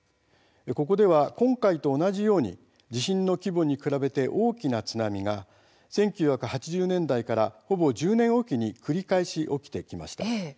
ここでは今回と同じように地震の規模に比べて大きな津波が１９８０年代からほぼ１０年置きに繰り返し起きてきました。